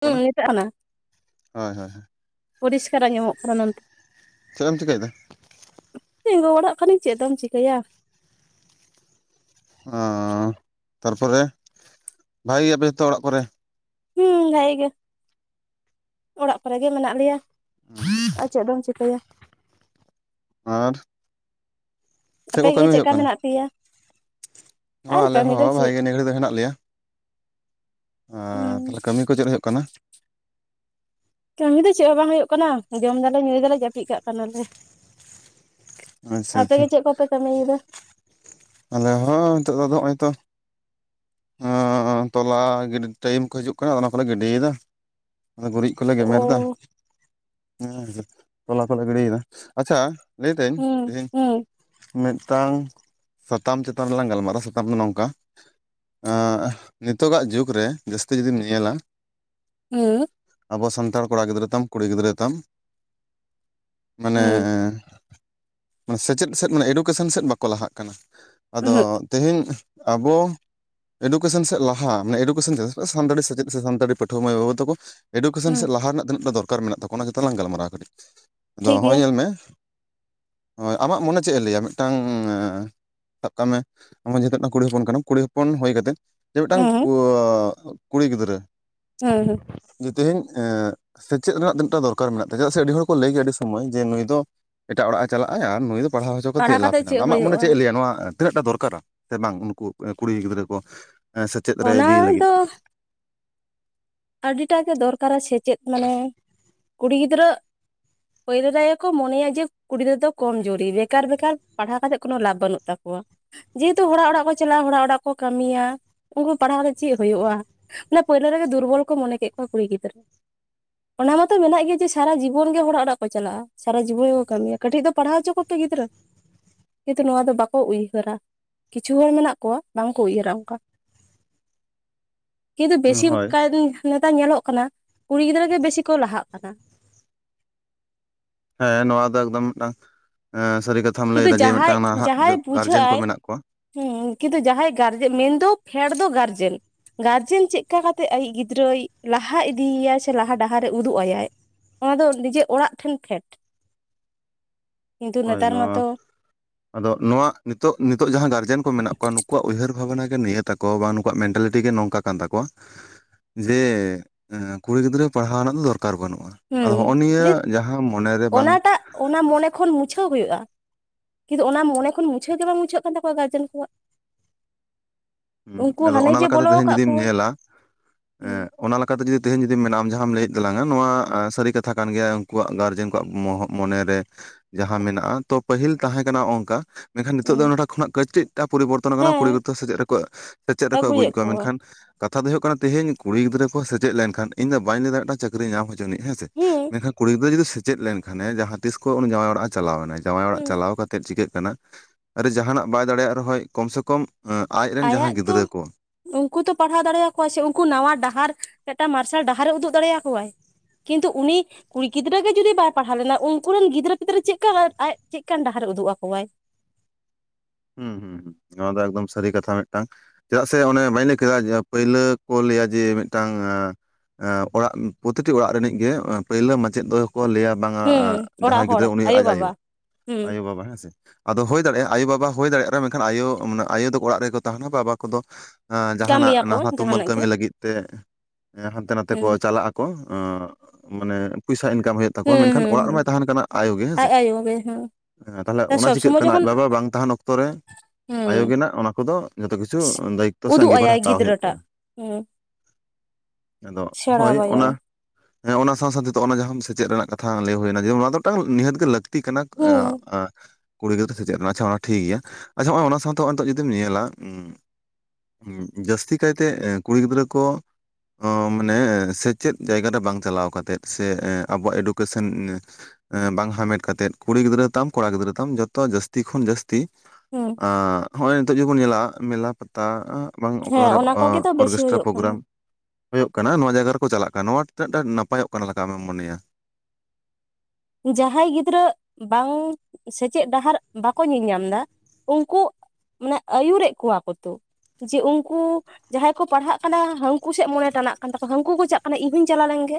ᱦᱳᱭ ᱢᱮᱛᱟᱜ ᱠᱟᱱᱟ ᱦᱳᱭ ᱦᱳᱭ ᱯᱚᱨᱤᱥᱠᱟᱨᱟᱜ ᱟᱸᱡᱚᱢᱚᱜ ᱠᱟᱱᱟ ᱢᱮᱱᱛᱮ ᱪᱮᱫ ᱮᱢ ᱪᱤᱠᱟᱹᱭᱮᱫᱟ? ᱛᱤᱸᱜᱩ ᱚᱲᱟᱜ ᱠᱚᱨᱮᱧ ᱪᱮᱫ ᱫᱚᱢ ᱪᱤᱠᱟᱹᱭᱟ᱾ ᱚ ᱛᱟᱨᱯᱚᱨᱮ ᱵᱷᱟᱜᱤ ᱟᱯᱮ ᱡᱚᱛᱚ ᱚᱲᱟᱜ ᱠᱚᱨᱮ? ᱦᱩᱸ ᱵᱷᱟᱜᱮ ᱚᱲᱟᱜ ᱠᱚᱨᱮ ᱜᱮ ᱢᱮᱱᱟᱜ ᱞᱮᱭᱟ ᱾ ᱟ ᱪᱮᱫ ᱵᱮᱱ ᱪᱤᱠᱟᱹᱭᱟ? ᱟᱨᱻ ᱟᱯᱮᱜᱮ ᱪᱮᱫᱠᱟ ᱠᱟᱱᱟ ᱢᱮᱱᱟᱜ ᱯᱮᱭᱟ? ᱦᱚᱸ ᱟᱨ ᱟᱞᱮ ᱠᱟᱹᱢᱤ ᱫᱚ ᱦᱚᱸ ᱪᱮᱫ ᱵᱷᱟᱜᱮ ᱱᱤ ᱜᱷᱟᱹᱲᱤᱜ ᱫᱚ ᱦᱮᱱᱟᱜ ᱞᱮᱭᱟ᱾ ᱦᱩᱸ ᱟᱨ ᱛᱟᱦᱚᱞᱮ ᱠᱟᱹᱢᱤ ᱠᱚ ᱪᱮᱫ ᱦᱩᱭᱩᱜ ᱠᱟᱱᱟ? ᱠᱟᱹᱢᱤ ᱫᱚ ᱪᱮᱫ ᱦᱚᱸ ᱵᱟᱝ ᱦᱩᱭᱩᱜ ᱠᱟᱱᱟ, ᱡᱚᱢ ᱫᱟᱞᱮ ᱧᱩᱭᱫᱟᱞᱮ ᱡᱟᱹᱯᱤᱫ ᱠᱟᱜ ᱠᱟᱱᱟᱞᱮ᱾ ᱟᱪᱪᱷᱟ ᱟᱯᱮ ᱟᱪᱪᱷᱟ ᱜᱮ ᱪᱮᱫ ᱠᱚᱯᱮ ᱠᱟᱹᱢᱤᱭᱮᱫᱟ? ᱟᱞᱮ ᱦᱚᱸ ᱱᱤᱛᱚᱜ ᱫᱚ ᱱᱚᱜᱼᱚᱭ ᱛᱚᱼᱼ ᱚᱸ ᱛᱚᱞᱟ ᱜᱤᱰᱤ ᱴᱟᱭᱤᱢ ᱠᱚ ᱦᱤᱡᱩᱜ ᱠᱟᱱᱟ ᱚᱱᱟ ᱠᱚᱞᱮ ᱜᱤᱰᱤᱭᱮᱫᱟ ᱾ ᱟᱫᱚ ᱜᱩᱨᱤᱡ ᱠᱚᱞᱮ ᱜᱮᱢᱮᱨ ᱮᱫᱟ ᱚ ᱾ ᱦᱮᱸ ᱛᱚᱞᱟ ᱠᱚᱞᱮ ᱜᱤᱰᱤᱭᱮᱫᱟ ᱾ ᱟᱪᱪᱷᱟᱼᱼ ᱞᱟᱹᱭᱮᱫᱟᱹᱧ ᱦᱩᱸ ᱛᱮᱦᱮᱧᱼᱼ ᱦᱩᱸ ᱢᱤᱫᱴᱟᱝ ᱥᱟᱛᱟᱢ ᱪᱮᱛᱟᱱ ᱨᱮᱞᱟᱝ ᱜᱟᱞᱢᱟᱨᱟᱣᱟ ᱥᱟᱛᱟᱢ ᱫᱚ ᱱᱚᱝᱠᱟᱼᱼ ᱱᱤᱛᱚᱜᱟᱜ ᱡᱩᱜᱽ ᱨᱮ ᱡᱟᱹᱥᱛᱤ ᱡᱩᱫᱤᱢ ᱧᱮᱞᱟ, ᱦᱮᱸᱻ ᱟᱵᱚ ᱥᱟᱱᱛᱟᱲ ᱠᱚᱲᱟ ᱜᱤᱫᱽᱨᱟᱹ ᱛᱟᱢ ᱠᱩᱲᱤ ᱜᱤᱫᱽᱨᱟᱹ ᱛᱟᱢ ᱢᱟᱱᱮ ᱦᱩᱸ ᱥᱮᱪᱮᱫ ᱥᱮᱫ ᱢᱟᱱᱮ ᱮᱰᱩᱠᱮᱥᱚᱱ ᱥᱮᱫ ᱵᱟᱠᱚ ᱞᱟᱦᱟᱜ ᱠᱟᱱᱟ᱾ ᱟᱫᱚ ᱩᱦᱩᱸᱜ ᱛᱮᱦᱮᱧ ᱟᱵᱚᱼᱼ ᱮᱰᱩᱠᱮᱥᱚᱱ ᱥᱮᱫ ᱞᱟᱦᱟᱜ ᱢᱟᱱᱮ ᱮᱰᱩᱠᱮᱥᱚᱱ ᱥᱟᱱᱛᱟᱲᱤ ᱥᱮᱪᱮᱫ ᱥᱟᱱᱛᱟᱲᱤ ᱯᱟᱹᱴᱷᱩᱣᱟᱹ ᱢᱟᱭ ᱚᱞ ᱛᱟᱠᱚᱼᱼ ᱮᱰᱩᱠᱮᱥᱚᱱ ᱦᱩᱸ ᱥᱮᱫ ᱞᱟᱦᱟ ᱨᱮᱱᱟᱜ ᱛᱤᱱᱟᱹᱜᱴᱟ ᱫᱚᱨᱠᱟᱨ ᱢᱮᱱᱟᱜ ᱛᱟᱠᱚᱣᱟ ᱚᱱᱟ ᱪᱮᱛᱟᱱ ᱞᱟᱝ ᱜᱟᱞᱢᱟᱨᱟᱣᱟ ᱠᱟᱹᱴᱤᱡ ᱟᱫᱚ ᱴᱷᱤᱠ ᱱᱚᱜᱼᱚᱭ ᱜᱮᱭᱟ ᱧᱮᱞ ᱢᱮᱼᱼ ᱦᱳᱭ ᱟᱢᱟᱜ ᱢᱚᱱᱮ ᱪᱮᱫ ᱮ ᱞᱟᱹᱭᱟ? ᱢᱤᱫᱴᱟᱝᱼᱼ ᱥᱟᱵ ᱠᱟᱜ ᱢᱮ ᱟᱢ ᱦᱚ ᱡᱮᱦᱩᱛᱩ ᱢᱤᱫᱴᱟᱝ ᱠᱩᱲᱤ ᱦᱚᱯᱚᱱ ᱠᱟᱱᱟᱢ ᱠᱩᱲᱤᱼᱼ ᱦᱚᱯᱚᱱ ᱦᱩᱭ ᱠᱟᱛᱮᱫ ᱡᱮ ᱢᱤᱫᱴᱟᱝ ᱦᱩᱸ ᱠᱻ ᱠᱩᱲᱤ ᱜᱤᱫᱽᱨᱟᱹ ᱦᱳᱭ ᱡᱮ ᱛᱮᱦᱮᱧ ᱥᱮᱪᱮᱫ ᱨᱮᱱᱟᱜ ᱛᱤᱱᱟᱹᱜᱴᱟ ᱫᱚᱨᱠᱟᱨ ᱢᱮᱱᱟᱜ ᱛᱟᱭᱟ ᱪᱮᱫᱟᱜ ᱥᱮ ᱟᱹᱰᱤ ᱦᱚᱲ ᱠᱚ ᱞᱟᱹᱭ ᱜᱮᱭᱟ ᱟᱹᱰᱤ ᱥᱚᱢᱚᱭ ᱡᱮ ᱱᱩᱭ ᱫᱚ, ᱮᱴᱟᱜ ᱚᱲᱟᱜ ᱮ ᱪᱟᱞᱟᱜᱼᱟ ᱟᱨ ᱱᱩᱭ ᱫᱚ ᱯᱟᱲᱦᱟᱣ ᱦᱚᱪᱚ ᱠᱟᱛᱮᱫ ᱞᱟᱵᱷ ᱠᱟᱛᱮᱜ ᱦᱮᱱᱟᱜ ᱪᱮᱫ ᱟᱢᱟᱜ ᱢᱚᱱᱮ ᱦᱩᱭᱩᱜᱼᱟ ᱪᱮᱫ ᱞᱟᱹᱭᱟ ᱱᱚᱣᱟ ᱛᱤᱱᱟᱹᱜ ᱴᱟ ᱫᱚᱨᱠᱟᱨᱟ ᱥᱮ ᱵᱟᱝ ᱩᱱᱠᱩᱼᱼ ᱠᱩᱲᱤ ᱜᱤᱫᱽᱨᱟᱹ ᱠᱚ ᱥᱮᱪᱮᱫ ᱨᱮ ᱚᱱᱟ ᱤᱫᱤ ᱫᱚ ᱞᱟᱹᱜᱤᱫ ᱟᱹᱰᱤᱴᱟᱜ ᱜᱮ ᱫᱚᱨᱠᱟᱨᱟ ᱥᱮᱪᱮᱫ ᱢᱟᱱᱮ ᱠᱩᱲᱤ ᱜᱤᱫᱽᱨᱟᱹᱼᱼ ᱯᱳᱭᱞᱳ ᱨᱟᱭ ᱠᱚ ᱢᱚᱱᱮᱭᱟ ᱡᱮ ᱠᱩᱲᱤ ᱜᱤᱫᱽᱨᱟᱹ ᱫᱚ ᱠᱚᱢ ᱡᱩᱨᱤ ᱵᱮᱠᱟᱨ ᱵᱮᱠᱟᱨ ᱯᱟᱲᱦᱟᱣ ᱠᱟᱛᱮᱫ ᱠᱳᱱᱳ ᱞᱟᱵᱷ ᱵᱟᱹᱱᱩᱜ ᱛᱟᱠᱚᱣᱟ ᱡᱮᱦᱮᱛᱩ ᱦᱚᱲᱟᱜ ᱚᱲᱟᱜ ᱠᱚ ᱪᱟᱞᱟᱜᱼᱟ ᱦᱚᱲᱟᱜ ᱚᱲᱟᱜ ᱠᱚ ᱠᱟᱹᱢᱤᱭᱟ ᱩᱱᱠᱩ ᱯᱟᱲᱦᱟᱣ ᱠᱟᱛᱮ ᱪᱮᱫ ᱦᱩᱭᱩᱜᱼᱟ᱾ ᱢᱟᱱᱮ ᱯᱳᱭᱞᱳ ᱨᱮᱜᱮ ᱫᱩᱨᱵᱚᱞ ᱠᱚ ᱢᱚᱱᱮ ᱠᱮᱫ ᱠᱚᱣᱟ ᱠᱩᱲᱤ ᱜᱤᱫᱽᱨᱟᱹ᱾ ᱚᱱᱟ ᱢᱟᱛᱚ ᱢᱮᱱᱟᱜ ᱜᱮᱭᱟ ᱡᱮ ᱥᱟᱨᱟ ᱡᱤᱵᱚᱱ ᱜᱮ ᱦᱚᱲᱟᱜ ᱚᱲᱟᱜ ᱠᱚ ᱪᱟᱞᱟᱜᱼᱟ ᱥᱟᱨᱟ ᱡᱤᱵᱚᱱ ᱜᱮᱠᱚ ᱠᱟᱹᱢᱤᱭᱟ ᱠᱟᱹᱴᱤᱡ ᱫᱚ ᱯᱟᱲᱦᱟᱣ ᱦᱚᱪᱚ ᱠᱚᱯᱮ ᱜᱤᱫᱽᱨᱟᱹ ᱠᱤᱱᱛᱩ ᱱᱚᱣᱟ ᱫᱚ ᱵᱟᱠᱚ ᱩᱭᱦᱟᱹᱨᱟ ᱠᱤᱪᱷᱩ ᱦᱚᱲ ᱢᱮᱱᱟᱜ ᱠᱚᱣᱟ ᱵᱟᱝ ᱠᱚ ᱩᱭᱦᱟᱹᱨᱟ ᱚᱱᱠᱟ [inaudible] ᱠᱤᱱᱛᱩ ᱵᱮᱥᱤ ᱦᱳᱭ ᱠᱟᱭ ᱱᱮᱛᱟᱨ ᱧᱮᱞᱚᱜ ᱠᱟᱱᱟ ᱠᱩᱲᱤ ᱜᱤᱫᱽᱨᱟᱹ ᱜᱮ ᱵᱮᱥᱤ ᱠᱚ ᱞᱟᱦᱟᱜ ᱠᱟᱱᱟ᱾ ᱦᱮᱸ ᱱᱚᱣᱟ ᱫᱚ ᱮᱠᱫᱚᱢ ᱢᱤᱫᱴᱟᱝ ᱥᱟᱹᱨᱤ ᱠᱟᱛᱷᱟᱼᱼ ᱠᱟᱛᱷᱟᱢ ᱞᱟᱹᱭ ᱠᱤᱱᱛᱩ ᱮᱟ ᱡᱮ ᱡᱟᱦᱟᱸᱭ ᱢᱤᱫᱴᱟᱝ ᱱᱟᱦᱟᱜ ᱡᱮ ᱡᱟᱦᱟᱸᱭ ᱵᱩᱡᱷᱟᱹᱜ ᱜᱟᱨᱡᱮᱱ ᱠᱚ ᱟᱭ ᱢᱮᱱᱟᱜ ᱠᱚᱣᱟ᱾ ᱦᱮᱸ ᱠᱤᱱᱛᱩ ᱡᱟᱦᱟᱸᱭ ᱜᱟᱨᱡᱮᱱ ᱢᱮᱱᱫᱚ ᱯᱷᱮᱰ ᱫᱚ ᱜᱟᱨᱡᱮᱱᱼᱼ ᱜᱟᱨᱡᱮᱱ ᱪᱮᱫᱠᱟ ᱠᱟᱛᱮᱫ ᱟᱡᱤᱡ ᱜᱤᱫᱽᱨᱟᱹᱭ ᱞᱟᱦᱟ ᱤᱫᱤᱭᱟᱭ ᱥᱮ ᱞᱟᱦᱟ ᱰᱟᱦᱟᱨᱮ ᱩᱫᱩᱜ ᱟᱭᱟᱼᱼ ᱚᱱᱟ ᱫᱚ ᱱᱤᱡᱮ ᱚᱲᱟᱜ ᱴᱷᱮᱱ ᱯᱷᱮᱰ ᱠᱤᱱᱛᱩ ᱦᱳᱭ ᱱᱮᱛᱟᱨ ᱱᱚᱣᱟᱼᱼ ᱢᱟᱛᱚ ᱟᱫᱚ ᱱᱚᱣᱟ ᱱᱤᱛᱚᱜ ᱱᱤᱛᱚᱜ ᱡᱟᱦᱟᱸ ᱜᱟᱨᱡᱮᱱ ᱠᱚ ᱢᱮᱱᱟᱜ ᱠᱚᱣᱟ ᱱᱩᱠᱩᱣᱟᱜ ᱩᱭᱦᱟᱹᱨ ᱵᱷᱟᱵᱽᱱᱟ ᱜᱮ ᱱᱤᱭᱟᱹ ᱛᱟ ᱠᱚ ᱵᱟᱝ ᱱᱩᱠᱩᱣᱟᱜ ᱢᱮᱱᱴᱟᱞᱤᱴᱤ ᱜᱮ ᱱᱚᱝᱠᱟ ᱠᱟᱱ ᱛᱟᱠᱚᱣᱟ᱾ ᱡᱮ ᱠᱩᱲᱤ ᱮᱸ ᱜᱤᱫᱽᱨᱟᱹ ᱯᱟᱲᱦᱟᱣ ᱨᱮᱱᱟᱜ ᱫᱚ ᱫᱚᱨᱠᱟᱨ ᱵᱟᱹᱱᱩᱜᱼᱟ᱾ ᱟᱫᱚ ᱦᱩᱸ ᱦᱚᱸᱜᱼᱚ ᱱᱤᱭᱟᱹ ᱡᱮ ᱡᱟᱦᱟᱸ ᱢᱚᱱᱮᱨᱮ ᱵᱟᱝ ᱚᱱᱟᱴᱟᱜ ᱚᱱᱟ ᱢᱚᱱᱮ ᱠᱷᱚᱱ ᱢᱩᱪᱷᱟᱹᱣ ᱦᱩᱭᱩᱜᱼᱟ᱾ ᱠᱤᱱᱛᱩ ᱚᱱᱟ ᱢᱚᱱᱮ ᱠᱷᱚᱱ ᱢᱩᱪᱷᱟᱹᱣ ᱜᱮ ᱵᱟᱝ ᱢᱩᱪᱷᱟᱹᱜ ᱠᱟᱱ ᱛᱟᱠᱚᱣᱟ ᱜᱟᱨᱡᱮᱱ ᱠᱚᱣᱟᱜ᱾ ᱦᱩᱸ ᱩᱱᱠᱩ ᱟᱫᱚ ᱦᱟᱱᱮ ᱚᱱᱟ ᱡᱮ ᱞᱮᱠᱟᱛᱮ ᱵᱚᱞᱚ ᱛᱮᱦᱤᱧ ᱟᱠᱟᱫ ᱡᱩᱫᱤᱢ ᱠᱚᱣᱟ ᱧᱮᱞᱟ, ᱦᱩᱸ ᱮᱸᱜ ᱚᱱᱟ ᱞᱮᱠᱟᱛᱮ ᱡᱩᱫᱤ ᱛᱮᱦᱮᱧ ᱡᱩᱫᱤ ᱢᱮᱱᱟᱜᱼᱟ ᱟᱢ ᱡᱟᱦᱟᱸᱢ ᱞᱟᱹᱭᱮᱫ ᱛᱟᱞᱟᱝ-ᱟ ᱱᱚᱣᱟ ᱥᱟᱹᱨᱤ ᱠᱟᱛᱷᱟ ᱠᱟᱱ ᱜᱮᱭᱟ ᱩᱱᱠᱩᱣᱟᱜ ᱜᱟᱨᱡᱮᱱ ᱠᱚᱣᱟᱜ ᱢᱚᱦᱚᱜ ᱢᱚᱱᱮᱨᱮ ᱡᱟᱦᱟᱸ ᱢᱮᱱᱟᱜᱼᱟ ᱛᱚ ᱯᱟᱹᱦᱤᱞ ᱛᱟᱦᱮᱸ ᱠᱟᱱᱟ ᱚᱝᱠᱟ, ᱢᱮᱱᱠᱷᱟᱱ ᱱᱤᱛᱚᱜ ᱦᱩᱸ ᱫᱚ ᱱᱚᱰᱮ ᱠᱷᱱᱟᱜ ᱠᱟᱹᱴᱤᱡᱴᱟ ᱯᱚᱨᱤᱵᱚᱨᱛᱚ ᱟᱠᱟᱱᱟ ᱠᱩᱲᱤ ᱦᱮᱸ ᱜᱤᱫᱽᱨᱟᱹ ᱥᱮᱪᱮᱫ ᱨᱮ ᱠᱚᱣᱟ ᱥᱮᱪᱮᱫ ᱨᱮᱠᱚ ᱟᱹᱜᱩᱭᱮᱫ ᱠᱚᱣᱟ, ᱢᱮᱱᱠᱷᱟᱱ ᱠᱟᱛᱷᱟ ᱫᱚ ᱦᱩᱭᱩᱜ ᱠᱟᱱᱟ ᱛᱮᱦᱮᱧ ᱠᱩᱲᱤ ᱜᱤᱫᱽᱟᱹ ᱠᱚ ᱥᱮᱪᱮᱫ ᱞᱮᱱᱠᱷᱟᱱ ᱤᱧ ᱫᱚᱧ ᱵᱟᱹᱧ ᱞᱟᱹᱭᱮᱫᱟ ᱡᱮ ᱢᱮᱫᱴᱟᱝ ᱪᱟᱹᱠᱨᱤ ᱧᱟᱢ ᱦᱚᱪᱚᱱᱮ ᱦᱮᱸ ᱥᱮᱫ ᱦᱩᱸ ᱢᱮᱱᱠᱷᱟᱱ ᱠᱩᱲᱤ ᱜᱤᱫᱽᱨᱟᱹ ᱡᱩᱫᱤ ᱥᱮᱪᱮᱫ ᱞᱮᱱᱠᱷᱟᱱᱮ ᱡᱟᱦᱟᱸ ᱛᱤᱥ ᱠᱷᱚᱱ ᱩᱱᱤ ᱡᱟᱶᱟᱭ ᱚᱲᱟᱜ ᱮ ᱪᱟᱞᱟᱣᱱᱟ ᱡᱟᱶᱟᱭ ᱚᱲᱟᱜ ᱦᱩᱸ ᱪᱟᱞᱟᱣ ᱠᱟ ᱛᱮᱫ ᱪᱤᱠᱟᱹᱜ ᱠᱟᱱᱟ ᱟᱨ ᱡᱟᱦᱟᱸᱱᱟᱜ ᱵᱟᱭ ᱫᱟᱲᱮᱭᱟᱜ ᱨᱮᱦᱚᱸ ᱠᱚᱢ ᱥᱮ ᱠᱚᱢ ᱮᱸᱜ ᱟᱭᱟᱜ ᱛᱚ ᱩᱝᱠᱩ ᱛᱚ ᱯᱟᱲᱦᱟᱣ ᱫᱟᱲᱮᱭᱟ ᱠᱚᱣᱟ ᱥᱮ ᱩᱱᱠᱩ ᱱᱟᱣᱟ ᱰᱟᱦᱟᱨ ᱢᱤᱫᱴᱟᱝ ᱢᱟᱨᱥᱟᱞ ᱰᱟᱦᱟᱨᱮ ᱩᱫᱩᱜ ᱫᱟᱲᱮᱭᱟ ᱠᱚᱣᱟᱭ, ᱠᱤᱱᱛᱩ ᱩᱱᱤ ᱠᱩᱲᱤ ᱜᱤᱫᱽᱨᱟᱹ ᱜᱮ ᱡᱩᱫᱤ ᱵᱟᱭ ᱯᱟᱲᱟᱣ ᱞᱮᱱᱟ, ᱩᱝᱠᱩ ᱨᱮᱱ ᱜᱤᱫᱽᱨᱟᱹ ᱯᱤᱫᱽᱨᱟᱹ ᱪᱮᱫᱠᱟ ᱟᱡ ᱪᱮᱫᱠᱟᱱ ᱰᱟᱦᱟᱨᱮ ᱩᱫᱩᱜ ᱟᱠᱚᱣᱟᱭ? ᱦᱩᱸ ᱦᱩᱸ ᱦᱩᱸ, ᱱᱚᱣᱟ ᱫᱚ ᱮᱠᱫᱚᱢ ᱥᱟᱹᱨᱤ ᱠᱟᱛᱷᱟ ᱢᱤᱫᱴᱟᱝ ᱪᱮᱫᱟᱜ ᱥᱮ ᱚᱱᱮ ᱵᱟᱹᱧ ᱞᱟᱹᱭ ᱠᱮᱫᱟ ᱯᱟᱹᱭᱞᱟᱹ ᱠᱚ ᱞᱟᱹᱭᱟ ᱡᱮ ᱢᱤᱫᱴᱟᱝ ᱟᱸ ᱚᱲᱟᱜ ᱯᱨᱚᱛᱤᱴᱤ ᱚᱲᱟᱜ ᱨᱤᱱᱤᱡ ᱜᱮ ᱯᱳᱭᱞᱟᱹ ᱢᱟᱪᱮᱫ ᱫᱚ ᱠᱚ ᱞᱟᱹᱭᱟ ᱵᱟᱝᱟ ᱦᱩᱸ ᱚᱲᱟᱜ ᱡᱟᱦᱟᱸᱭ ᱦᱚᱲ ᱜᱤᱫᱽᱨᱟᱹ ᱩᱱᱤ ᱟᱡ ᱟᱭᱳ, ᱵᱟᱵᱟ ᱦᱩᱸ ᱟᱭᱳᱼᱵᱟᱵᱟ ᱦᱮᱸᱥᱮ ᱟᱫᱚ ᱦᱩᱭ ᱫᱟᱲᱮᱭᱟᱜᱼᱟ ᱟᱭᱳᱼᱵᱟᱵᱟ ᱦᱩᱭ ᱫᱟᱲᱮᱭᱟᱜ ᱨᱮ ᱢᱮᱱᱠᱷᱟᱱ ᱟᱭᱳ ᱢᱟᱱᱮ ᱟᱭᱳ ᱫᱚ ᱚᱲᱟᱜ ᱨᱮᱠᱚ ᱛᱟᱦᱮᱱᱟ ᱵᱟᱵᱟ ᱠᱚᱫᱚ ᱟᱸ ᱡᱟᱦᱟᱸᱱᱟᱜ ᱠᱟᱹᱢᱤᱭᱟᱠᱚ ᱱᱟᱦᱟ ᱛᱩᱢᱟᱹᱞ ᱡᱟᱦᱟᱱᱟᱜ ᱜᱮ ᱠᱟᱹᱢᱤ ᱞᱟᱹᱜᱤᱫ ᱛᱮ ᱦᱟᱸᱱᱛᱮ ᱱᱟᱛᱮ ᱠᱚ ᱦᱩᱸ ᱪᱟᱞᱟᱜ ᱟ ᱠᱚ ᱮᱸᱜ ᱢᱟᱱᱮ ᱯᱚᱭᱥᱟ ᱤᱱᱠᱟᱢ ᱦᱩᱭᱩᱜ ᱛᱟᱠᱚᱣᱟ ᱦᱩᱸ ᱢᱮᱱᱠᱷᱟᱱ ᱦᱩᱸ ᱚᱲᱟᱜ ᱦᱩᱸ ᱨᱮᱢᱟᱭ ᱛᱟᱦᱮᱸᱱ ᱠᱟᱱᱟ ᱟᱭᱳ ᱜᱮ ᱟᱡ ᱦᱮᱸᱥᱮ, ᱟᱭᱳ ᱜᱮ ᱦᱮᱸ ᱮᱸ ᱛᱟᱦᱚᱞᱮ ᱚᱱᱟ ᱥᱚᱵ ᱪᱤᱠᱟᱹᱜ ᱥᱚᱢᱚᱭ ᱠᱟᱱᱟ ᱟᱡ ᱡᱚᱠᱷᱚᱱ ᱵᱟᱵᱟ ᱵᱟᱝ ᱛᱟᱦᱮᱸᱱ ᱚᱠ ᱯᱚᱨᱮ ᱦᱩᱸ ᱟᱭᱳᱱᱟᱜ ᱚᱱᱟ ᱠᱚᱫᱚ ᱡᱷᱚᱛᱚ ᱠᱤᱪᱷᱩ ᱫᱟᱭᱤᱛᱛᱚ ᱥᱮ ᱩᱫᱩᱜ ᱟᱸᱜᱤᱵᱷᱟᱨ ᱟᱭᱟᱭ ᱦᱟᱛᱟᱣ ᱦᱩᱭᱩᱜ ᱜᱤᱫᱽᱨᱟᱹᱴᱟᱜ ᱛᱟᱭᱟ᱾ ᱦᱩᱸ᱾ ᱟᱫᱚ ᱦᱳᱭ ᱥᱮᱬᱟᱣᱟᱭᱟᱭ ᱚᱱᱟ ᱦᱮᱸ ᱚᱱᱟ ᱥᱟᱶ-ᱥᱟᱶᱛᱮ ᱚᱱᱟ ᱡᱟᱦᱟᱸ ᱥᱮᱪᱮᱫ ᱨᱮᱱᱟᱜ ᱠᱟᱛᱷᱟ ᱞᱟᱹᱭ ᱦᱩᱭᱱᱟ ᱡᱮ ᱚᱱᱟ ᱫᱚ ᱢᱤᱫᱴᱟᱝ ᱱᱤᱦᱟᱹᱛ ᱜᱮ ᱞᱟᱹᱠ ᱛᱤ ᱠᱟᱱᱟ ᱮᱸᱜ ᱦᱩᱸ ᱟᱸ ᱠᱩᱲᱤ ᱜᱤᱫᱽᱨᱟᱹ ᱥᱮᱪᱮᱫ ᱨᱮᱱᱟᱜ ᱟᱪᱪᱷᱟ ᱚᱱᱟ ᱴᱷᱤᱠ ᱜᱮᱭᱟ, ᱟᱪᱪᱷᱟ ᱱᱚᱜᱼᱚᱭ ᱚᱱᱟ ᱥᱟᱶᱛᱮ ᱦᱚᱸᱜᱼᱚᱭ ᱱᱤᱛᱚᱜ ᱡᱩᱫᱤᱢ ᱧᱮᱞᱟ ᱩᱸ ᱩᱸᱜ ᱡᱟᱹᱥᱛᱤ ᱠᱟᱭᱛᱮ ᱠᱩᱲᱤ ᱜᱤᱫᱽᱨᱟᱹ ᱠᱚ ᱚ ᱢᱟᱱᱮ ᱥᱮᱪᱮᱫ ᱡᱟᱭᱜᱟ ᱨᱮ ᱵᱟᱝ ᱪᱟᱞᱟᱣ ᱠᱟᱛᱮᱫ ᱥᱮ ᱮᱸ ᱟᱵᱚᱣᱟᱜ ᱮᱰᱩᱠᱮᱥᱚᱱ ᱮᱸ ᱵᱟᱝ ᱦᱟᱸᱢᱮᱴ ᱠᱟᱛᱮᱫ ᱠᱩᱲᱤ ᱜᱤᱫᱽᱨᱟᱹ ᱛᱟᱢ ᱠᱚᱲᱟ ᱜᱤᱫᱽᱨᱟᱹ ᱛᱟᱢ ᱡᱚᱛᱚ ᱡᱟᱹᱥᱛᱤ ᱠᱷᱚᱱ ᱡᱟᱹᱥᱛᱤ ᱩᱸ᱾ ᱟᱸ ᱦᱚᱸᱜᱼᱚᱭ ᱱᱤᱛᱚᱜ ᱡᱮ ᱵᱚᱱ ᱧᱮᱞᱟ ᱢᱮᱞᱟ ᱯᱟᱛᱟ ᱟᱸ ᱵᱟᱝ ᱦᱮᱸ ᱚᱠᱟᱨᱮ ᱚᱱᱟ ᱠᱚᱜᱮ ᱛᱚ ᱵᱮᱥᱤ ᱚᱨᱜᱮᱥᱴᱟᱨ ᱦᱩᱭᱩᱜ ᱠᱟᱱᱟ ᱯᱨᱳᱜᱨᱟᱢ ᱦᱩᱭᱩᱜ ᱠᱟᱱᱟ, ᱱᱚᱣᱟ ᱡᱟᱭᱜᱟ ᱨᱮᱠᱚ ᱪᱟᱞᱟᱜ ᱠᱟᱱᱟ ᱱᱚᱣᱟ ᱛᱤᱱᱟᱹᱜ ᱴᱟᱜ ᱱᱟᱯᱟᱭᱚᱜ ᱠᱟᱱᱟ ᱞᱮᱠᱟ ᱟᱢᱮᱢ ᱢᱚᱱᱮᱭᱟ? ᱡᱟᱦᱟᱸᱭ ᱜᱤᱫᱽᱨᱟᱹ ᱵᱟᱝ ᱥᱮᱪᱮᱫ ᱰᱟᱦᱟᱨ ᱵᱟᱠᱚ ᱧᱮᱧᱟᱢ ᱫᱟ ᱩᱱᱠᱩ ᱢᱟᱱᱮ ᱟᱹᱭᱩᱨᱮᱫ ᱠᱚᱣᱟ ᱠᱚᱛᱚ᱾ ᱡᱮ ᱩᱝᱠᱩ ᱡᱟᱦᱟᱸᱭ ᱠᱚ ᱯᱟᱲᱦᱟᱜ ᱠᱟᱱᱟ ᱦᱟᱹᱝᱠᱩ ᱥᱮᱫ ᱢᱚᱱᱮ ᱴᱟᱱᱟᱜ ᱠᱟᱱ ᱛᱟᱠᱚᱣᱟ ᱦᱟᱹᱱᱠᱩ ᱠᱚ ᱪᱟᱞᱟᱜ ᱠᱟᱱᱟ ᱤᱧ ᱦᱚᱧ ᱪᱟᱞᱟᱣ ᱞᱮᱝᱜᱮ᱾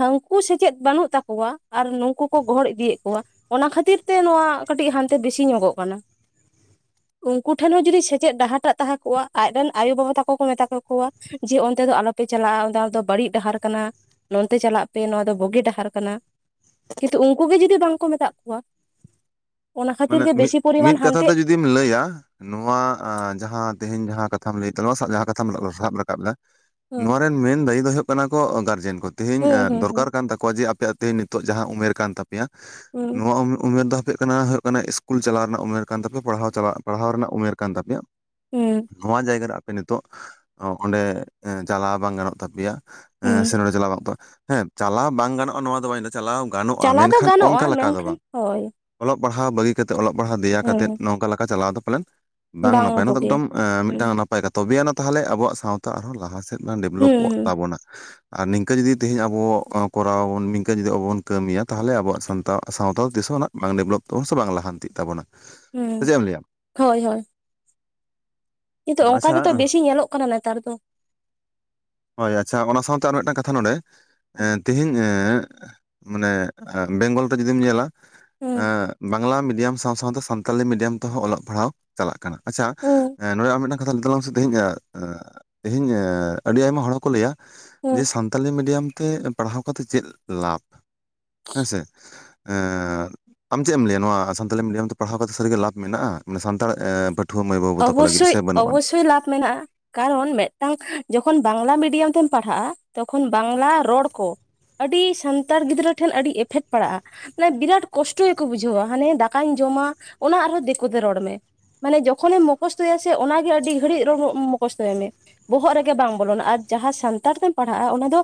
ᱦᱟᱹᱱᱠᱩ ᱥᱮᱪᱮᱫ ᱵᱟᱹᱱᱩᱜ ᱛᱟᱠᱚᱣᱟ ᱟᱨ ᱱᱩᱝᱠᱩ ᱠᱚ ᱜᱚᱦᱚᱲ ᱤᱫᱤᱭᱮᱜ ᱠᱚᱣᱟ᱾ ᱚᱱᱟ ᱠᱷᱟᱹᱛᱤᱨ ᱛᱮ ᱱᱚᱣᱟ ᱠᱟᱹᱴᱤᱡᱦᱟᱸᱱᱛᱮ ᱠᱟᱹᱴᱤᱡ ᱵᱮᱥᱤ ᱧᱚᱜᱚᱜ ᱠᱟᱱᱟ᱾ ᱩᱝᱠᱩ ᱴᱷᱮᱱ ᱦᱚᱸ ᱡᱩᱫᱤ ᱥᱮᱪᱮᱫ ᱰᱟᱦᱟᱨᱴᱟᱜ ᱛᱟᱦᱮᱸ ᱠᱚᱜᱼᱟ ᱟᱡ ᱨᱮᱱ ᱟᱭᱳᱵᱟᱵᱟ ᱛᱟᱠᱚ ᱠᱚ ᱢᱮᱛᱟ ᱠᱮᱠᱚᱣᱟ ᱡᱮ ᱚᱱᱛᱮ ᱫᱚ ᱟᱞᱚᱯᱮ ᱪᱟᱞᱟᱜᱼᱟ ᱚᱸᱫᱟ ᱚᱸᱫᱟ ᱵᱟᱲᱤᱜ ᱰᱟᱦᱟᱨ ᱠᱟᱱᱟ, ᱱᱚᱱᱛᱮ ᱪᱟᱞᱟᱜ ᱯᱮ ᱱᱚᱣᱟ ᱫᱚ ᱵᱩᱜᱤ ᱰᱟᱦᱟᱨ ᱠᱟᱱᱟ᱾ ᱠᱤᱱᱛᱩ ᱩᱝᱠᱩ ᱜᱮ ᱡᱩᱫᱤ ᱵᱟᱝ ᱠᱚ ᱢᱮᱛᱟᱜ ᱠᱚᱣᱟ᱾ ᱚᱱᱟ ᱠᱷᱟᱹᱛᱤᱨ ᱢᱟᱱᱮ ᱜᱮ ᱢᱤᱫ ᱵᱮᱥᱤ ᱯᱚᱨᱤᱢᱟᱱ ᱢᱤᱫ ᱠᱟᱛᱷᱟ ᱦᱟᱱᱛᱮ ᱛᱮ ᱡᱩ ᱫᱤᱢ ᱞᱟᱹᱭᱟ ᱱᱚᱣᱟ ᱟᱸ ᱡᱟᱸᱦᱟ ᱛᱮᱦᱮᱧ ᱡᱟᱸᱦᱟ ᱠᱟᱛᱷᱟᱢ ᱞᱟᱹᱭ ᱛᱟᱞᱟᱝ [inaudible] ᱡᱟᱦᱟᱸ ᱠᱟᱛᱷᱟᱢ ᱥᱟᱵ ᱨᱟᱠᱟᱵᱫᱟ ᱦᱩᱸ ᱱᱚᱣᱟ ᱨᱮᱱ ᱢᱮᱱ ᱫᱟᱹᱭᱤ ᱫᱚ ᱦᱩᱭᱩᱜ ᱠᱟᱱᱟ ᱠᱚ ᱜᱟᱨᱡᱮᱱ ᱠᱚ ᱛᱮᱦᱤᱧ ᱦᱩᱸ ᱮᱸ ᱦᱩᱸ ᱦᱩᱸ ᱫᱚᱨᱠᱟᱨ ᱠᱟᱱ ᱛᱟᱠᱚᱣᱟ ᱡᱮ ᱟᱯᱮ ᱛᱮᱦᱮᱧ ᱱᱤᱛᱚᱜ ᱡᱟᱦᱟᱸ ᱩᱢᱮᱨ ᱠᱟᱱ ᱛᱟᱯᱮᱭᱟ, ᱦᱩᱸ ᱱᱚᱣᱟ ᱩᱢ-ᱩᱢᱮᱨ ᱫᱚ ᱦᱟᱯᱮ ᱠᱟᱱᱟ ᱠᱟᱱᱟ ᱤᱥᱠᱩᱞ ᱪᱟᱞᱟᱣ ᱨᱮᱱᱟᱜ ᱩᱢᱮᱨ ᱠᱟᱱ ᱛᱟᱯᱮᱭᱟ ᱯᱟᱲᱦᱟᱣ ᱪᱟᱞᱟᱜ ᱯᱟᱲᱦᱟᱣ ᱨᱮᱱᱟᱜ ᱩᱢᱮᱨ ᱠᱟᱱ ᱛᱟᱯᱮᱭᱟ᱾ ᱦᱩᱸ ᱱᱚᱣᱟ ᱡᱟᱭᱜᱟ ᱨᱮ ᱯᱮ ᱱᱤᱛᱚᱜ ᱚᱸ ᱚᱸᱰᱮ ᱮᱸ ᱪᱟᱞᱟᱣ ᱵᱟᱝ ᱜᱟᱱᱚᱜ ᱛᱟᱯᱮᱭᱟ ᱮᱸ ᱥᱮ ᱦᱩᱸ ᱱᱚᱸᱰᱮ ᱪᱟᱞᱟᱣ [inaudible] ᱦᱮᱸ ᱪᱟᱞᱟᱣ ᱵᱟᱝ ᱜᱟᱱᱚᱜᱼᱟ ᱱᱚᱣᱟ ᱫᱚ ᱵᱟᱧ ᱞᱟᱹᱭᱫᱟ ᱪᱟᱞᱟᱣ ᱜᱟᱱᱚᱜᱼᱟ ᱪᱟᱞᱟᱣ ᱫᱚ ᱢᱮᱱᱠᱷᱟᱱ ᱜᱟᱱᱚᱜᱼᱟ ᱚᱝᱠᱟ ᱞᱮᱠᱟ ᱫᱚ ᱢᱮᱱᱠᱷᱟᱱ ᱵᱟᱝ᱾ ᱦᱳᱭ ᱚᱞᱚᱜ ᱯᱟᱲᱦᱟᱣ ᱵᱟᱹᱜᱤ ᱠᱟᱛᱮᱫ ᱚᱞᱚᱜ ᱯᱟᱲᱦᱟᱣ ᱫᱮᱭᱟ ᱠᱟᱛᱮᱫ ᱦᱩᱸ ᱱᱚᱝᱠᱟ ᱞᱮᱠᱟ ᱪᱟᱞᱟᱣ ᱫᱚ ᱯᱟᱞᱮᱱ ᱵᱟᱝ ᱱᱟᱯᱟᱭᱟ ᱱᱚᱣᱟ ᱮᱠᱫᱚᱢ ᱮᱸ ᱦᱩᱸ ᱢᱤᱫᱴᱟᱝ ᱱᱟᱯ ᱯᱟᱭ ᱛᱚᱵᱮ ᱟᱭᱮᱱᱟ ᱛᱟᱦᱚᱞᱮ ᱟᱵᱚᱣᱟᱜ ᱥᱟᱶᱛᱟ ᱟᱨᱦᱚᱸ ᱞᱟᱦᱟ ᱥᱮᱫ ᱰᱮᱵᱷᱞᱚᱯᱚᱜ ᱦᱩᱸ ᱦᱩᱸ ᱛᱟᱵᱚᱱᱟ᱾ ᱟᱨ ᱱᱤᱝᱠᱟᱹ ᱡᱩᱫᱤ ᱛᱮᱦᱮᱧ ᱟᱵᱚ ᱚᱸ ᱠᱚᱨᱟᱣᱟᱵᱚᱱ ᱱᱤᱝᱠᱟᱹ ᱡᱩᱫᱤ ᱟᱵᱚ ᱵᱚᱱ ᱠᱟᱹᱢᱤᱭᱟ ᱛᱟᱦᱚᱞᱮ ᱟᱵᱚᱣᱟᱜ ᱥᱟᱱᱛᱟ ᱥᱟᱶᱛᱟ ᱛᱤᱥᱚᱱᱟᱜ ᱵᱟᱝ ᱰᱮᱵᱷᱞᱚᱯ ᱛᱚ ᱥᱮ ᱵᱟᱝ ᱞᱟᱦᱟᱱᱛᱤᱜ ᱛᱟᱵᱚᱱᱟ᱾ ᱥᱮ ᱦᱩᱸ ᱪᱮᱫ ᱮᱢ ᱞᱟᱹᱭᱟ ᱦᱳᱭ ᱦᱳᱭ᱾ ᱧᱤᱛᱚᱜ ᱚᱝᱠᱟ ᱟᱪᱪᱷᱟ ᱜᱮᱛᱚ ᱵᱮᱥᱤ ᱧᱮᱞᱚᱜ ᱠᱟᱱᱟ ᱱᱮᱛᱟᱨ ᱫᱚ᱾ ᱦᱳᱭ ᱟᱪᱪᱷᱟ ᱚᱱᱟ ᱥᱟᱶᱛᱮ ᱟᱨ ᱢᱤᱫᱴᱟᱝ ᱠᱟᱛᱷᱟ ᱱᱚᱸᱰᱮ ᱮᱸ ᱛᱮᱦᱤᱧ ᱮᱸ ᱢᱟᱱᱮ ᱮ ᱵᱮᱝᱜᱚᱞ ᱛᱮ ᱡᱩᱫᱤᱢ ᱧᱮᱞᱟ ᱦᱩᱸ ᱮᱸ ᱵᱟᱝᱞᱟ ᱢᱤᱰᱤᱭᱟᱢ ᱥᱟᱶ ᱥᱟᱶᱛᱮ ᱥᱟᱱᱛᱟᱞᱤ ᱢᱤᱰᱤᱭᱟᱢ ᱛᱮᱦᱚᱸ ᱚᱞᱚᱜ ᱯᱟᱲᱦᱟᱣ ᱪᱟᱞᱟᱜ ᱠᱟᱱᱟ᱾ ᱟᱪᱪᱷᱟ ᱦᱩᱸ ᱱᱚᱸᱰᱮ ᱟᱢ ᱢᱤᱫᱴᱟᱝ ᱠᱟᱛᱷᱟ ᱞᱟᱹᱭ ᱛᱟᱞᱟᱝ ᱢᱮᱥᱮ ᱛᱮᱦᱮᱧᱟᱜ ᱮᱸ ᱮᱸ ᱛᱮᱦᱤᱧ ᱮᱸ ᱟᱹᱰᱤ ᱟᱭᱢᱟ ᱦᱚᱲ ᱦᱚᱸᱠᱚ ᱞᱟᱹᱭᱟ ᱦᱩᱸ ᱡᱮ ᱥᱟᱱ ᱛᱟᱞᱤ ᱢᱤᱰᱤᱭᱟᱢ ᱛᱮ ᱯᱟᱲᱦᱟᱣ ᱠᱟᱛᱮ ᱪᱮᱫ ᱞᱟᱵᱷ ᱦᱮᱸᱥᱮ? ᱮ ᱪᱮᱜ ᱮᱢ ᱞᱟᱹᱭᱟ ᱱᱚᱣᱟ ᱥᱟᱱᱛᱟᱞᱤ ᱢᱤᱰᱤᱭᱟᱢ ᱛᱮ ᱯᱟᱲᱦᱟᱣ ᱠᱟᱛᱮ ᱥᱟᱹᱨᱤ ᱜᱮ ᱞᱟᱵᱷ ᱢᱮᱱᱟᱜᱼᱟ ᱢᱟᱱᱮ ᱥᱟᱱᱛᱟᱲ ᱮᱸ ᱯᱟᱹᱴᱷᱩᱣᱟᱹ ᱢᱟᱹᱭ ᱵᱟᱹᱵᱩ ᱛᱟᱠᱚ ᱞᱟᱹᱜᱤᱫ ᱚᱵᱚᱥᱥᱳᱭ ᱥᱮ ᱵᱟᱹᱱᱩᱜ ᱟᱱᱟ ᱚᱵᱚᱥᱥᱳᱭ ᱞᱟᱵᱷ ᱢᱮᱱᱟᱜᱼᱟ᱾ ᱠᱟᱨᱚᱱ ᱢᱮᱜᱴᱟᱝ ᱡᱚᱠᱷᱚᱱ ᱵᱟᱝᱞᱟ ᱢᱤᱰᱤᱭᱟᱢ ᱛᱮᱢ ᱯᱟᱲᱦᱟᱜᱼᱟ ᱛᱚᱠᱷᱚᱱ ᱵᱟᱝᱞᱟ ᱨᱚᱲ ᱠᱚ ᱟᱹᱰᱤ ᱥᱟᱱᱛᱟᱲ ᱜᱤᱫᱽᱨᱟᱹ ᱴᱷᱮᱱ ᱟᱹᱰᱤ ᱮᱯᱷᱮᱠᱴ ᱯᱟᱲᱟᱜᱼᱟ᱾ ᱱᱮ ᱵᱤᱨᱟᱴ ᱠᱚᱥᱴᱚ ᱜᱮᱠᱚ ᱵᱩᱡᱷᱟᱹᱣᱟ ᱦᱟᱱᱮ ᱫᱟᱠᱟᱧ ᱡᱚᱢᱟ ᱚᱱᱟ ᱟᱨᱦᱚᱸ ᱫᱤᱠᱩᱛᱮ ᱨᱚᱲ ᱢᱮ ᱢᱟᱱᱮ ᱡᱚᱠ ᱠᱷᱚᱱᱮᱢ ᱢᱚᱠᱚᱥᱛᱚᱭᱟ ᱥᱮ ᱚᱱᱟᱜᱮ ᱟᱹᱰᱤ ᱜᱷᱟᱹᱲᱤᱡ ᱨᱚᱸ ᱢᱚᱠᱚᱥᱛᱚᱭ ᱢᱮ᱾ ᱵᱚᱦᱚᱜ ᱨᱮᱜᱮ ᱵᱟᱝ ᱵᱚᱞᱚᱱᱟ ᱟᱨ ᱡᱟᱦᱟᱸ ᱥᱟᱱᱛᱟᱲ ᱛᱮᱢ ᱯᱟᱲᱦᱟᱜᱼᱟ ᱚᱱᱟ ᱫᱚ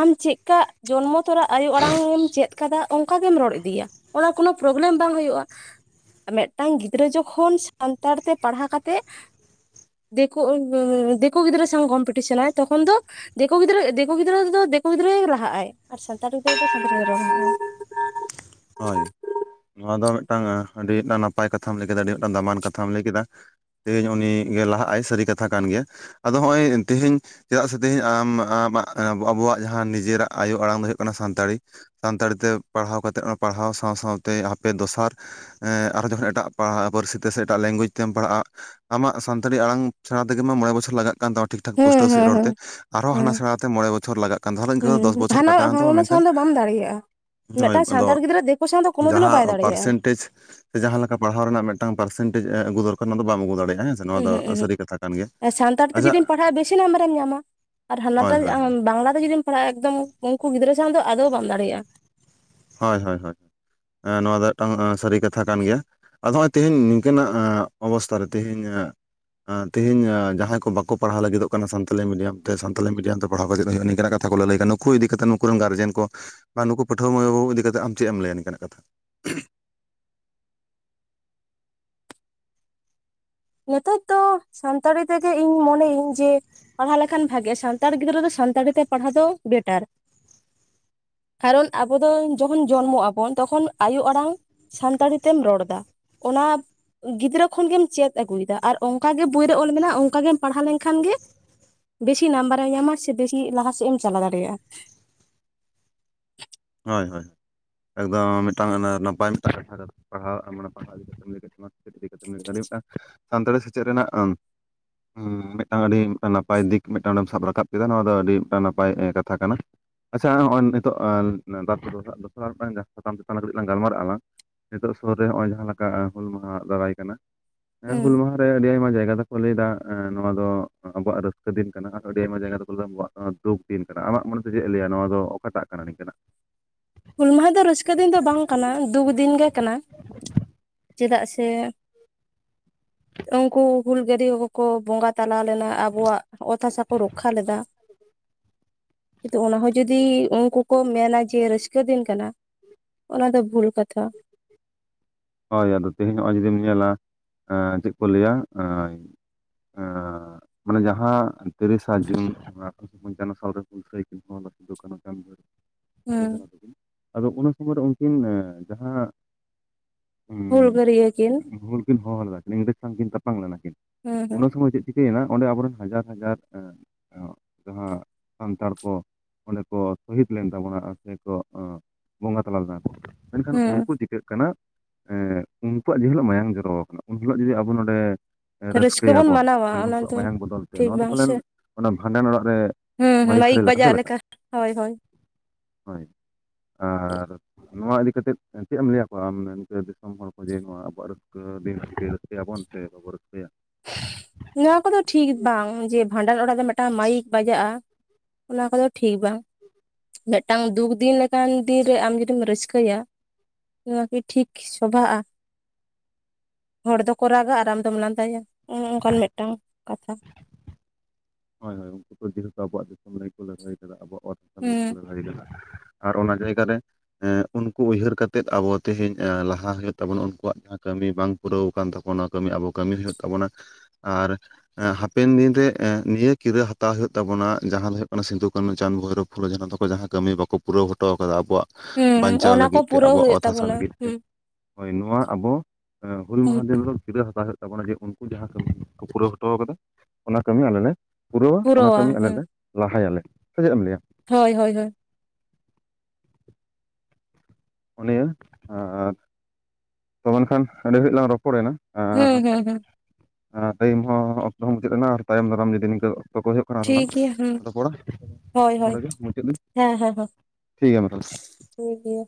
ᱟᱢ ᱪᱮᱜᱞᱮᱠᱟ ᱡᱚᱱᱢᱚ ᱛᱚᱨᱟ ᱟᱭᱳ ᱟᱲᱟᱝᱮᱢ ᱪᱮᱫ ᱠᱟᱫᱟ ᱚᱝᱠᱟᱜᱮᱢ ᱨᱚᱲ ᱤᱫᱤᱭᱟ᱾ ᱚᱱᱟ ᱠᱳᱱᱳ ᱯᱨᱚᱵᱞᱮᱢ ᱵᱟᱝ ᱦᱩᱭᱩᱜᱼᱟ, ᱢᱤᱫᱴᱟᱝ ᱜᱤᱫᱽᱨᱟᱹ ᱡᱚᱠᱷᱚᱱ ᱥᱟᱱ ᱛᱟᱲ ᱛᱮ ᱯᱟᱲᱦᱟ ᱠᱟᱛᱮᱜ ᱫᱤᱠᱩ ᱩᱸ ᱫᱤᱠᱩ ᱜᱤᱫᱽᱨᱟᱹ ᱥᱟᱶ ᱠᱚᱢᱯᱤᱴᱤᱥᱚᱱᱟᱭ ᱛᱚᱠᱷᱚᱱ ᱫᱚ ᱫᱤᱠᱩ ᱜᱤᱫᱽᱨᱟᱹ ᱫᱤᱠᱩ ᱜᱤᱫᱽᱨᱟᱹ ᱫᱚ ᱫᱤᱠᱩ ᱜᱤᱫᱽᱨᱟᱹᱭ ᱞᱟᱦᱟᱜᱼᱟᱭ᱾ ᱟᱨ ᱥᱟᱱᱛᱟᱲ [inaudible] ᱦᱳᱭ᱾ ᱱᱚᱣᱟ ᱫᱚ ᱢᱤᱫᱴᱟᱝ ᱮ ᱟᱰᱤ [inaudible] ᱱᱟᱯᱟᱭ ᱠᱟᱛᱷᱟᱢ ᱞᱟᱹᱭ ᱠᱮᱫᱟ ᱟᱹᱰᱤ ᱢᱤᱫᱴᱟᱝ ᱫᱟᱢᱟᱱ ᱠᱟᱛᱷᱟᱢ ᱞᱟᱹᱭ ᱠᱮᱫᱟ᱾ ᱛᱮᱦᱤᱧ ᱩᱱᱤ ᱜᱮ ᱞᱟᱦᱟᱜ ᱟᱭ ᱥᱟᱹᱨᱤ ᱠᱟᱛᱷᱟ ᱠᱟᱱ ᱜᱮᱭᱟ, ᱟᱫᱚ ᱦᱚᱸᱜᱼᱚᱭ ᱛᱮᱦᱤᱧ ᱪᱮᱫᱟᱜ ᱥᱮ ᱛᱮᱦᱤᱧ ᱟᱢ ᱟᱢᱟᱜ ᱟ ᱮᱸ ᱟᱵᱚᱣᱟᱜ ᱡᱟᱦᱟᱸ ᱱᱤᱡᱮᱨᱟᱜ ᱟᱭᱳ ᱟᱲᱟᱝ ᱫᱚ ᱦᱩᱭᱩᱜ ᱠᱟᱱᱟ ᱥᱟᱱᱛᱟᱲᱤ᱾ ᱥᱟᱱᱛᱟᱲᱤ ᱛᱮ ᱯᱟᱲᱦᱟᱣ ᱠᱟᱛᱮᱜ ᱚᱸ ᱯᱟᱲᱦᱟᱣ ᱥᱟᱶ ᱥᱟᱶᱛᱮ ᱟᱯᱮ ᱫᱚᱥᱟᱨ ᱮᱸ ᱟᱨᱦᱚ ᱡᱚᱠᱷᱚᱱ ᱮᱴᱟᱜ ᱯᱟ-ᱯᱟᱹᱨᱥᱤ ᱛᱮ ᱥᱮ ᱮᱴᱟᱜ ᱞᱮᱝᱜᱩᱭᱮᱡ ᱛᱮᱢ ᱯᱟᱲᱦᱟᱜᱼᱟ ᱟᱢᱟᱜ ᱥᱟᱱᱛᱟᱲᱤ ᱟᱲᱟᱝ ᱥᱮᱬᱟ ᱛᱮᱜᱮ ᱢᱟ ᱢᱚᱬᱮ ᱵᱚᱪᱷᱚᱨ ᱞᱟᱜᱟᱜ ᱠᱟᱱ ᱛᱟᱢᱟ ᱴᱷᱤᱠ ᱴᱷᱟᱠ ᱯᱩᱴᱟᱹᱣ ᱦᱮᱸ ᱥᱮᱦᱤᱜ ᱦᱮᱸ ᱨᱚᱲ ᱦᱮᱸ ᱛᱮ᱾ ᱟᱨᱦᱚᱸ ᱦᱮᱸ ᱦᱟᱱᱟ ᱥᱮᱬᱟ ᱛᱮ ᱢᱚᱬᱮ ᱵᱚᱪᱷᱚᱨ ᱞᱟᱜ ᱠᱟᱱ ᱛᱟᱦᱞᱮ ᱤᱱᱠᱟᱹ ᱫᱚᱥ ᱵᱚᱪᱷᱚᱨ ᱠᱟᱴᱟᱣᱮᱱ ᱛᱟᱢᱟ ᱢᱮᱱᱠᱷᱟᱱ ᱟ ᱢᱤᱫᱴᱟᱝ ᱥᱟᱱᱛᱟᱲ ᱜᱤᱫ ᱜᱤᱫᱽᱨᱟᱹ ᱫᱮᱠᱳ ᱥᱟᱣ ᱫᱚ ᱠᱳᱱᱳ ᱫᱤᱱᱳ ᱡᱟᱦᱟ ᱵᱟᱭ ᱫᱟᱲᱮᱭᱟᱜᱼᱟᱭ ᱯᱟᱨᱥᱮᱱᱴᱮᱡᱽ ᱡᱟᱦᱟᱸ ᱞᱮᱠᱟ ᱯᱟᱲᱦᱟᱣ ᱨᱮᱱᱟᱜ ᱢᱤᱫᱴᱟᱝ ᱯᱟᱨᱥᱮᱱᱴᱮᱡᱽ ᱮᱜ ᱟᱹᱜᱩ ᱫᱚᱨᱠᱟᱨ ᱱᱚᱣᱟ ᱫᱚ ᱵᱟᱢ ᱟᱹᱜᱩ ᱫᱟᱲᱮᱭᱟᱜᱼᱟ ᱦᱮᱸ ᱥᱮ ᱱᱚᱣᱟ ᱫᱚ ᱥᱟᱹᱨ ᱠᱟᱛᱷᱟ ᱠᱟ ᱮ ᱥᱟᱱᱛᱟᱲ ᱛᱮ ᱡᱩᱫᱤᱢ ᱯᱟᱲᱦᱟᱜᱼᱟ ᱵᱮᱥᱤ ᱱᱟᱢᱵᱟᱨᱮᱢ ᱧᱟᱢᱟ ᱟᱨ ᱦᱟᱱᱟᱴᱟ ᱦᱳᱭ ᱦᱳᱭ ᱵᱟᱝᱞᱟ ᱛᱮ ᱡᱩᱫᱤᱢ ᱛᱷᱚᱲ ᱮᱠᱫᱚᱢ ᱩᱱᱠᱩ ᱜᱤᱫᱽᱨᱟᱹ ᱥᱟᱶ ᱫᱚ ᱟᱫᱚ ᱵᱟᱢ ᱫᱟᱲᱮᱭᱟᱜᱼᱟ ᱾ ᱦᱳᱭ ᱦᱳᱭ ᱦᱳᱭ ᱮᱸ ᱱᱚᱣᱟ ᱫᱚ ᱢᱤᱫᱴᱟᱝ ᱮᱸ ᱥᱟᱹᱨᱤ ᱠᱟᱛᱷᱟ ᱠᱟᱱ ᱜᱮᱭᱟ ᱾ ᱟᱫᱚ ᱦᱚᱜᱼᱚᱭ ᱛᱮᱦᱤᱧ ᱱᱤᱝᱠᱟᱹᱱᱟᱜ ᱚᱵᱚᱥᱛᱷᱟ ᱨᱮ ᱛᱮᱦᱤᱧ ᱮᱜ ᱟᱸ ᱛᱮᱦᱤᱧ ᱡᱟᱦᱟᱸᱭ ᱠᱚ ᱵᱟᱠᱚ ᱯᱟᱲᱦᱟᱣ ᱞᱟᱹᱜᱤᱫᱚᱜ ᱠᱟᱱᱟ ᱥᱟᱱᱛᱟᱞᱤ ᱢᱤᱰᱤᱭᱟᱢ ᱛᱮ ᱥᱟᱱᱛᱟᱞᱤ ᱢᱤᱰᱤᱭᱟᱢ ᱛᱮ ᱯᱟᱲᱦᱟᱣ ᱠᱟᱛᱮᱜ ᱩᱱᱤ ᱩᱱᱤ ᱱᱤᱝᱠᱟᱱᱟᱜ ᱠᱟᱛ ᱛᱷᱟ ᱠᱚ ᱞᱟᱞᱟᱹᱭ ᱠᱟᱱᱟ ᱱᱩᱠᱩ ᱤᱫᱤ ᱠᱟᱛᱮ ᱱᱩᱠᱩ ᱨᱮᱱ ᱜᱟᱨᱡᱮᱱ ᱠᱚ ᱱᱩᱠᱩ ᱯᱟᱹᱴᱷᱣᱟᱹ ᱢᱟᱹᱭ ᱵᱟᱵᱩ ᱤᱫᱤ ᱠᱟᱛᱮ ᱟᱢ ᱪᱮᱫ ᱮᱢ ᱞᱟᱹᱭᱟ ᱱᱤᱝᱠᱟᱱᱟᱜ ᱠᱟᱛᱷᱟ ᱾ ᱱᱤᱛᱚᱜ ᱫᱚ ᱥᱟᱱᱛᱟᱲᱤ ᱛᱮᱜᱮ ᱤᱧ ᱢᱚᱱᱮᱭᱮᱧ ᱡᱮ ᱯᱟᱲᱦᱟᱣ ᱞᱮᱠᱷᱟᱱ ᱵᱷᱟᱜᱮ ᱟ ᱥᱟᱱᱛᱟᱲ ᱜᱤᱫᱽᱨᱟᱹ ᱫᱚ ᱥᱟᱱᱛᱟᱲᱤ ᱛᱮ ᱯᱟᱲᱦᱟᱣ ᱫᱚ ᱵᱮᱴᱟᱨ ᱾ ᱠᱟᱨᱚᱱ ᱟᱵᱚ ᱫᱚ ᱡᱚᱠᱷᱚᱱ ᱡᱚᱱᱢᱚᱜ ᱟᱵᱚᱱ ᱛᱚᱠᱷᱚᱱ ᱟᱭᱳ ᱟᱲᱟᱝ ᱥᱟᱱᱛᱟᱲᱤ ᱛᱮᱢ ᱨᱚᱲ ᱫᱟ ᱚᱱᱟ ᱜᱤᱫᱽᱨᱟᱹ ᱠᱷᱚᱱᱜᱮᱢ ᱪᱮᱫ ᱟᱹᱜᱩᱭ ᱫᱟ ᱟᱨ ᱚᱱᱠᱟᱜᱮ ᱵᱚᱭ ᱨᱮ ᱚᱞ ᱢᱮᱱᱟᱜᱼᱟ ᱚᱱᱠᱟ ᱜᱮᱢ ᱯᱟᱲᱦᱟᱣ ᱞᱮᱱᱠᱷᱟᱱ ᱜᱮ ᱵᱮᱥᱤ ᱱᱟᱢᱵᱟᱨ ᱮᱢ ᱧᱟᱢᱟ ᱥᱮ ᱵᱮᱥᱤ ᱞᱟᱦᱟ ᱥᱮᱫ ᱮᱢ ᱪᱟᱞᱟ ᱫᱟᱲᱮᱭᱟᱜᱼᱟ ᱾ ᱦᱳᱭ ᱦᱳᱭ ᱮᱠᱫᱚᱢ ᱢᱤᱫᱴᱟᱝ ᱚᱱᱟ ᱱᱟᱯᱟᱭ ᱢᱤᱫᱴᱟᱝ [inaudible] ᱯᱟᱲᱦᱟᱜ ᱢᱟᱱᱮ ᱯᱟᱲᱦᱟᱣ ᱤᱫᱤ ᱠᱟᱛᱮᱜ ᱞᱮᱭ ᱠᱟᱫ ᱛᱟᱢ ᱾ [inaudible] ᱟᱹᱰᱤ ᱢᱤᱫᱴᱟᱝ ᱥᱟᱱᱛᱟᱲᱤ ᱥᱮᱪᱮᱫ ᱨᱮᱱᱟᱜ ᱩᱢ ᱢᱤᱫᱴᱟᱝ ᱟᱹᱰᱤ ᱢᱤᱫᱴᱟᱝ ᱱᱟᱯᱟᱭ ᱫᱤᱠ ᱢᱤᱫᱴᱟᱝ ᱚᱸᱰᱮᱢ ᱥᱟᱵ ᱨᱟᱠᱟᱵ ᱠᱮᱫᱟ ᱱᱚᱣᱟ ᱫᱚ ᱟᱹᱰᱤ ᱱᱟᱯᱟᱭ ᱮᱸ ᱠᱟᱛᱷᱟ ᱠᱟᱱᱟ ᱾ ᱟᱪᱪᱷᱟ ᱦᱚᱜᱼᱚᱭ ᱱᱤᱛᱚᱜ [unintelligible] ᱜᱟᱞᱢᱟᱨᱟᱜ ᱟᱞᱟᱝ ᱾ ᱱᱤᱛᱚᱜ ᱥᱩᱨ ᱨᱮ ᱦᱚᱜᱼᱚᱭ ᱡᱟᱦᱟᱸ ᱞᱮᱠᱟ ᱦᱩᱞ ᱢᱟᱦᱟᱸ ᱫᱟᱨᱟᱭ ᱠᱟᱱᱟ ᱮ ᱦᱩᱸ ᱦᱩᱞ ᱢᱟᱦᱟᱸ ᱨᱮ ᱟᱹᱰᱤ ᱟᱭᱢᱟ ᱡᱟᱭᱜᱟ ᱫᱚᱠᱚ ᱞᱟᱹᱭ ᱫᱚ ᱮᱸ ᱱᱚᱣᱟ ᱫᱚ ᱟᱵᱚᱣᱟᱜ ᱨᱟᱹᱥᱠᱟᱹ ᱫᱤᱱ ᱠᱟᱱᱟ ᱟᱨ ᱟᱹᱰᱤ ᱟᱭᱢᱟ ᱡᱟᱭᱜᱟ ᱫᱚᱠᱚ ᱞᱟᱹᱭ ᱫᱟ ᱟᱵᱚᱣᱟᱜ ᱚᱸ ᱫᱩᱠ ᱫᱤᱱ ᱠᱟᱱᱟ ᱟᱢᱟᱜ ᱢᱚᱱᱮᱛᱮ ᱪᱮᱜ ᱞᱟᱹᱭᱟ ᱱᱚᱣᱟ ᱫᱚ ᱚᱠᱟᱴᱟᱜ ᱠᱟᱱᱟ ᱱᱤᱝᱠᱟᱱᱟᱜ ᱾ ᱦᱩᱞ ᱢᱟᱦᱟᱸ ᱫᱚ ᱨᱟᱹᱥᱠᱟᱹ ᱫᱤᱱ ᱫᱚ ᱵᱟᱝ ᱠᱟᱱᱟ ᱫᱩᱠ ᱫᱤᱱ ᱜᱮ ᱠᱟᱱᱟ ᱾ ᱪᱮᱫᱟᱜ ᱥᱮ ᱩᱱᱠᱩ ᱦᱩᱞ ᱜᱟᱹᱨᱤᱭᱟᱹ ᱠᱚᱠᱚ ᱵᱚᱸᱜᱟ ᱛᱟᱞᱟ ᱞᱮᱱᱟ ᱟᱵᱚᱣᱟᱜ ᱚᱛ ᱦᱟᱥᱟ ᱠᱚ ᱨᱚᱠᱠᱷᱟ ᱞᱮᱫᱟ ᱾ ᱠᱤᱱᱛᱩ ᱚᱱᱟᱦᱚᱸ ᱡᱩᱫᱤ ᱩᱱᱠᱩ ᱠᱚ ᱢᱮᱱᱟ ᱡᱮ ᱨᱟᱹᱥᱠᱟᱹ ᱫᱤᱱ ᱠᱟᱱᱟ ᱾ ᱚᱱᱟ ᱫᱚ ᱵᱷᱩᱞ ᱠᱟᱛᱷᱟ ᱾ [inaudible] ᱦᱳᱭ ᱟᱫᱚ ᱛᱮᱦᱤᱧ ᱦᱚᱜᱼᱚᱭ ᱡᱩᱫᱤᱢ ᱧᱮᱞᱟ ᱮᱸ ᱪᱮᱜ ᱠᱚ ᱞᱟᱹᱭᱟ ᱮᱸ [inaudible] ᱢᱟᱱᱮ ᱡᱟᱦᱟᱸ ᱛᱤᱨᱟᱥᱟ ᱡᱩᱱ ᱟᱴᱷᱮᱨᱚᱥᱚ ᱯᱚᱧᱪᱟᱱᱱᱚ ᱥᱟᱞ ᱨᱮ ᱦᱩᱞᱥᱟᱹᱭ ᱠᱤᱱ ᱦᱚ ᱥᱤᱫᱩ ᱠᱟᱹᱱᱩ ᱪᱟᱱ ᱵᱷᱳᱭᱨᱚᱵ ᱯᱷᱩᱞᱟᱹ ᱦᱩᱸ ᱡᱷᱟᱱᱚ ᱛᱟᱠᱤᱱ ᱟᱫᱚ ᱩᱱ ᱥᱩᱢᱚᱭ ᱨᱮ ᱩᱱᱠᱤᱱ ᱮᱸ ᱡᱟᱦᱟ ᱦᱩ ᱦᱩᱞᱜᱟᱹᱨᱭᱟᱹ ᱠᱤᱱ ᱦᱩᱞ ᱠᱤᱱ ᱦᱚᱦᱚ ᱞᱮᱫᱟᱠᱤᱱ ᱤᱝᱨᱮᱡᱽ ᱥᱟᱶ ᱠᱤᱱ ᱛᱟᱯᱟᱢ ᱞᱮᱱᱟ ᱠᱤᱱ ᱦᱩᱸ ᱦᱩᱸ ᱩᱱᱟ ᱥᱚᱢᱚᱭ ᱪᱮᱫ ᱪᱤᱠᱟᱹᱭᱱᱟ ᱚᱸᱰᱮ ᱟᱵᱚᱨᱮᱱ ᱦᱟᱡᱟᱨ ᱦᱟᱡᱟᱨ [inaudible] ᱥᱟᱱᱛᱟᱲ ᱠᱚ ᱾ ᱚᱸᱰᱮ ᱠᱚ ᱥᱚᱦᱤᱫ ᱞᱮᱱ ᱛᱟᱵᱚᱱᱟ ᱟᱨ ᱥᱮᱠᱚ ᱵᱚᱸᱜᱟ ᱛᱟᱞᱟ ᱞᱮᱱᱟ ᱠᱚ ᱾ ᱢᱮᱱᱠᱷᱟᱱ ᱦᱩᱸ ᱩᱱᱠᱩ ᱪᱤᱠᱟᱹᱜ ᱠᱟᱱᱟ ᱮᱸ ᱩᱱᱠᱩᱣᱟᱜ ᱡᱮ ᱦᱤᱞᱳᱜ ᱢᱟᱭᱟᱝ ᱡᱚᱨᱚ ᱠᱟᱱᱟ ᱩᱱ ᱦᱤᱞᱳᱜ ᱡᱩᱫᱤ ᱟᱵᱚ ᱱᱚᱸᱰᱮ ᱨᱟᱹᱥᱠᱟᱹ ᱵᱚᱱ ᱨᱟᱹᱥᱠᱟᱹᱭᱟᱵᱚᱱ ᱢᱟᱱᱟᱣᱟ ᱢᱟᱱᱮ ᱚᱱᱟ ᱩᱱᱠᱩᱣᱟᱜ ᱫᱚ ᱢᱟᱭᱟᱝ ᱵᱚᱫᱚᱞ ᱛᱮ ᱴᱷᱤᱠ ᱱᱚᱣᱟ ᱫᱚ ᱵᱟᱝ ᱥᱮ ᱯᱟᱞᱮᱱ ᱚᱱᱟ ᱵᱷᱟᱸᱰᱟᱱ ᱚᱲᱟᱜ ᱨᱮ ᱦᱩᱸ ᱦᱩᱸ ᱢᱟᱹᱭᱤᱠ ᱢᱟᱭᱤᱠ ᱥᱟᱹᱨᱤ ᱥᱮ ᱵᱟᱡᱟᱜ ᱞᱮᱠᱟ ᱦᱳᱭ ᱦᱳᱭ ᱾ ᱦᱳᱭ ᱟᱨ ᱱᱚᱣᱟ ᱤᱫᱤ ᱠᱟᱛᱮᱫ ᱪᱮᱫ ᱮᱢ ᱞᱟᱹᱭᱟᱠᱚᱣᱟ ᱟᱢ ᱢᱮᱱ ᱫᱮ ᱫᱤᱥᱚᱢ ᱦᱚᱲ ᱠᱚ ᱡᱮ ᱱᱚᱣᱟ ᱟᱵᱚᱣᱟᱜ ᱨᱟᱹᱥᱠᱟᱹ ᱫᱤᱱ ᱨᱟᱹᱥᱠᱟᱹᱭᱟᱵᱚᱱ ᱥᱮ ᱵᱟᱵᱚ ᱨᱟᱹᱥᱠᱟᱹᱭᱟ? [inaudible] ᱱᱚᱣᱟ ᱠᱚᱫᱚ ᱴᱷᱤᱠ ᱵᱟᱝ ᱡᱮ ᱵᱷᱟᱸᱰᱟᱱ ᱚᱲᱟᱜ ᱫᱚ ᱢᱤᱫᱴᱟᱝ ᱢᱟᱭᱤᱠ ᱵᱟᱡᱟᱜᱼᱟ ᱾ ᱚᱱᱟ ᱠᱚᱫᱚ ᱴᱷᱤᱠ ᱵᱟᱝ ᱾ ᱢᱤᱫᱴᱟᱝ ᱫᱩᱠ ᱫᱤᱱ ᱞᱮᱠᱟᱱ ᱫᱤᱱ ᱨᱮ ᱟᱢ ᱡᱩᱫᱤᱢ ᱨᱟᱹᱥᱠᱟᱹᱭᱟ ᱾ ᱵᱷᱟᱜᱮ ᱴᱷᱤᱠ ᱥᱚᱵᱷᱟᱜᱼᱟ᱾ ᱦᱚᱲ ᱫᱚᱠᱚ ᱨᱟᱜᱟ ᱟᱨ ᱟᱢ ᱫᱚᱢ ᱞᱟᱸᱫᱟᱭᱟ ᱚᱱᱚᱱᱠᱟᱱ ᱢᱤᱫᱴᱟᱝ ᱠᱟᱛᱷᱟ᱾ ᱦᱳᱭ ᱦᱳᱭ ᱩᱱᱠᱩ ᱠᱚ ᱡᱮᱦᱮᱛᱩ ᱟᱵᱚᱣᱟᱜ ᱫᱤᱥᱚᱢ ᱞᱟᱹᱜᱤᱫ ᱠᱚ ᱞᱟᱹᱲᱦᱟᱹᱭ ᱠᱟᱫᱟ, ᱟᱵᱚᱣᱟᱜ ᱚᱛ ᱦᱟᱥᱟ ᱞᱟᱹᱜᱤᱫ ᱠᱚ ᱦᱩᱸ ᱞᱟ. ᱲᱦᱟᱹᱭ ᱠᱟᱫᱟ᱾ ᱟᱨ ᱚᱱᱟ ᱡᱟᱭᱜᱟ ᱨᱮ ᱮᱸ ᱩᱱᱠᱩ ᱩᱭᱦᱟᱹᱨ ᱠᱟᱛᱮᱫ ᱟᱵᱚ ᱛᱮᱦᱮᱧ ᱮᱸ ᱞᱟᱦᱟ ᱦᱩᱭᱩᱜ ᱛᱟᱵᱚᱱᱟ ᱩᱱᱠᱩᱣᱟᱜ ᱡᱟᱦᱟᱸ ᱠᱟᱹᱢᱤ ᱵᱟᱝ ᱯᱩᱨᱟᱹᱣ ᱟᱠᱟᱱ ᱛᱟᱠᱳᱣᱟ ᱚᱱᱟ ᱠᱟᱹᱢᱤ ᱟᱵᱚ ᱠᱟᱹᱢᱤ ᱦᱩᱭᱩᱜ ᱛᱟᱵᱚᱱᱟ ᱟᱨ ᱮᱸ ᱦᱟᱯᱮᱱ ᱫᱤᱱ ᱨᱮ ᱮᱸ ᱱᱤᱭᱟᱹ ᱠᱤᱨᱟᱹ ᱦᱟᱛᱟᱣ ᱦᱩᱭᱩᱜ ᱛᱟᱵᱚᱱᱟ ᱡᱟᱦᱟᱸ ᱫᱚ ᱦᱩᱭᱩᱜ ᱠᱟᱱᱟ ᱥᱤᱫᱩ, ᱠᱟᱹᱱᱩ, ᱪᱟᱸᱫᱽ ᱵᱷᱳᱭᱨᱳ, ᱯᱷᱩᱞᱳ, ᱡᱷᱟᱱᱳ, ᱛᱟᱠᱚ ᱡᱟᱦᱟᱸ ᱠᱟᱹᱢᱤ ᱵᱟᱠᱚ ᱯᱩᱨᱟᱹᱣ ᱦᱚᱴᱚᱣ ᱠᱟᱫᱟ ᱟᱵᱚᱣᱟᱜ ᱦᱩᱸ ᱵᱟᱧᱪᱟᱣ ᱚᱱᱟ ᱠᱚ ᱞᱟᱹᱜᱤᱫ ᱛᱮ ᱯᱩᱨᱟᱹᱣ ᱟᱵᱚᱣᱟᱜ ᱦᱩᱭᱩᱜ ᱚᱛ ᱦᱟᱥᱟ ᱛᱟᱵᱚᱱᱟ ᱞᱟᱹᱜᱤᱫ ᱛᱮ᱾ ᱦᱩᱸ ᱦᱳᱭ ᱱᱚᱣᱟ ᱟᱵᱚ ᱮᱸ ᱦᱩᱞ ᱢᱟᱦᱟᱸ ᱫᱤᱱ ᱦᱤᱞᱳᱜ ᱠᱤᱨᱟᱹ ᱦᱟᱛᱟᱣ ᱦᱩᱭᱩᱜ ᱛᱟᱵᱚᱱᱟ ᱡᱮ ᱩᱱᱠᱩ ᱡᱟᱦᱟᱸ ᱠᱟᱹᱢᱤ ᱠᱚ ᱯᱩᱨᱟᱹᱣ ᱦᱚᱴᱚᱣ ᱠᱟᱫᱟ ᱚᱱᱟ ᱠᱟᱹᱢᱤ ᱟᱞᱮ ᱞᱮ ᱯᱩᱨᱟᱹᱣᱟ, ᱚᱱᱟ ᱠᱟᱹᱢᱤ ᱟᱞᱮ ᱞᱮ ᱞᱟᱦᱟᱭᱟᱞᱮ ᱥᱮ ᱪᱮᱫ ᱮᱢ ᱞᱟᱹᱭᱟ᱾ ᱦᱳᱭ ᱦᱳᱭ ᱦᱳᱭ᱾ ᱚ ᱱᱤᱭᱟᱹ ᱟᱨ ᱛᱚ ᱢᱮᱱ ᱠᱷᱟᱱ ᱟᱹᱰᱤ ᱜᱷᱟᱲᱤᱡ ᱞᱟᱝ ᱨᱚᱯᱚᱲᱮᱱᱟ᱾ ᱦᱩᱸ ᱦᱮᱸ ᱦᱩᱸ᱾ ᱴᱟᱭᱤᱢ ᱦᱚᱸ ᱚᱠᱛᱚ ᱦᱚᱸ ᱢᱩᱪᱟᱹᱫ ᱮᱱᱟ ᱟᱨ ᱛᱟᱭᱚᱢ ᱫᱟᱨᱟᱢ ᱡᱩᱫᱤ ᱱᱚᱝᱠᱟ ᱚᱠᱛᱚ ᱠᱚ ᱦᱩᱭᱩᱜ ᱠᱟᱱᱟ ᱫᱚ ᱞᱟᱝ ᱴᱷᱤᱠ ᱜᱮᱭᱟ ᱦᱩᱸ ᱨᱚᱯᱚᱲᱟ, ᱦᱳᱭ ᱦᱳᱭ ᱱᱚᱰᱮ ᱜᱮ ᱢᱩᱪᱟᱹᱫ ᱴᱷᱤᱠ ᱦᱮᱸ ᱦᱮᱸ ᱦᱮᱸ ᱜᱮᱭᱟ ᱢᱟ ᱛᱟᱦᱚᱞᱮ᱾ ᱴᱷᱤᱠ ᱜᱮᱭᱟ᱾